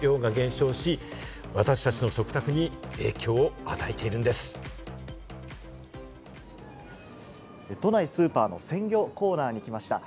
さまざまな魚の漁獲量が減少し、私たちの食卓に影響を与えている都内スーパーの鮮魚コーナーに来ました。